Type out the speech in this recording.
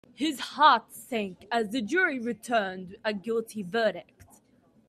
His heart sank as the jury returned a guilty verdict.